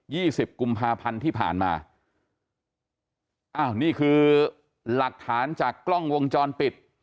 สิบกุมภาพันธ์ที่ผ่านมาอ้าวนี่คือหลักฐานจากกล้องวงจรปิด